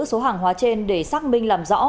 số hàng hóa trên để xác minh làm rõ